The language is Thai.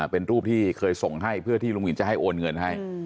เป็นรูปที่เคยส่งให้เพื่อที่ลุงหินจะให้โอนเงินให้